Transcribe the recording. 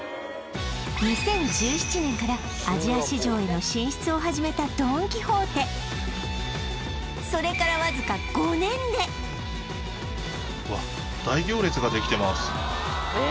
２０１７年からアジア市場への進出を始めたドン・キホーテわずかえ